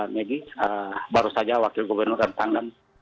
megi baru saja wakil gubernur dan pangdam